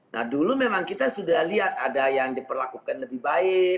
nah dulu memang kita sudah lihat ada yang diperlakukan lebih baik